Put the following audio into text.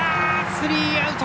スリーアウト！